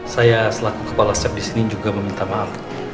saya selaku kepala sab disini juga meminta maaf